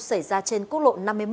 xảy ra trên quốc lộ năm mươi một